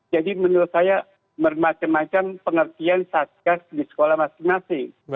jadi menurut saya bermacam macam pengertian sadgah di sekolah masing masing